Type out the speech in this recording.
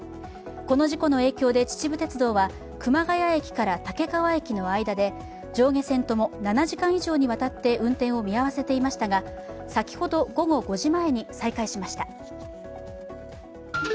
この事故の影響で秩父鉄道は、熊谷駅から武川駅の間で上下線とも７時間以上にわたって運転を見合わせていましたが、先ほど午後５時前に再開しました。